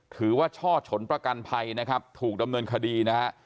ถือว่าช่อชนประกันภัยถูกดำเนินคดีนะครับ